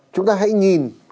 chúng ta hãy nhìn